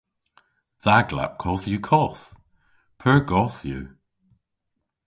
Dha glapkodh yw koth. Pur goth yw.